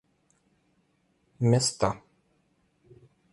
места